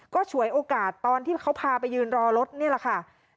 ก็ฉวยโอกาสตอนที่เขาพาไปยืนรอรถนี่แหละค่ะ